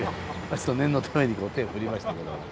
ちょっと念のために手を振りましたけども。